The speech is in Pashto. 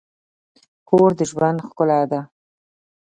کور د ژوند ښکلا ده.